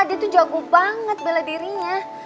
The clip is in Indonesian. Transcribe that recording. dia tuh jago banget bela dirinya